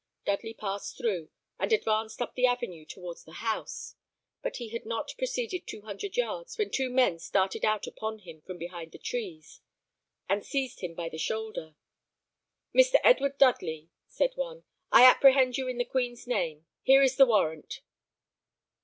Dudley passed through, and advanced up the avenue towards the house; but he had not proceeded two hundred yards, when two men started out upon him from behind the trees, and seized him by the shoulder. "Mr. Edward Dudley," said one, "I apprehend you in the Queen's name. Here is the warrant."